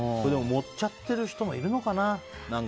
盛っちゃってる人もいるのかな。